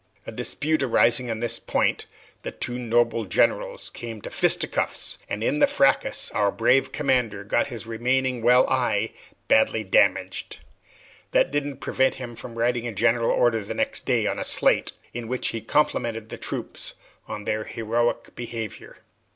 A dispute arising on this point, the two noble generals came to fisticuffs, and in the fracas our brave commander got his remaining well eye badly damaged. This didn't prevent him from writing a general order the next day, on a slate, in which he complimented the troops on their heroic behavior.